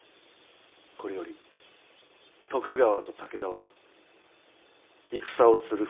これより徳川と武田は戦をするふりをし続ける。